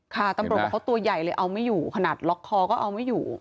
ตำรวจบอกเขาตัวใหญ่เลยเอาไม่อยู่ขนาดล็อกคอก็เอาไม่อยู่